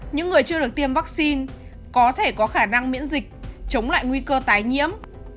những người chưa được tiêm vaccine có thể có khả năng miễn dịch chống lại nguy cơ tái nhiễm